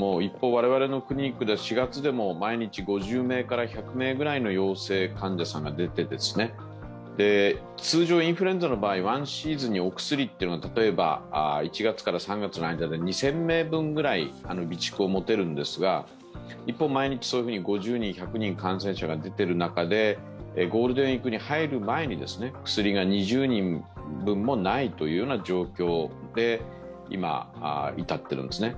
我々のクリニックでは４月でも毎日５０１００名ぐらいの陽性患者さんが出て、通常、インフルエンザの場合、１シーズンにお薬っていうのは例えば１月から３月の間に２０００名分ぐらい備蓄を持てるんですが、一方、毎日そのように５０人、１００人、感染者が出ている中でゴールデンウイークに入る前に薬が２０人分もないという状況で今、至っているんですね。